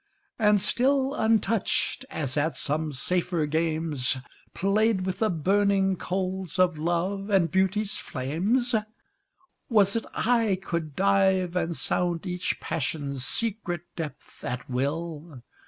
And still untouched, as at some safer games, Played with the burning coals of love, and beauty's flames? Was't I could dive, and sound each passion's secret depth at will?